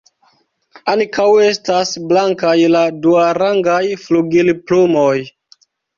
Ankaŭ estas blankaj la duarangaj flugilplumoj.